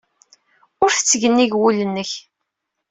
Ur t-tteg nnig wul-nnek.